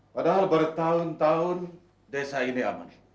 padahal bertahun tahun desa ini aman